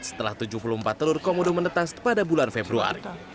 setelah tujuh puluh empat telur komodo menetas pada bulan februari